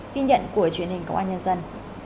khi nhận của truyền hình công an nhân dân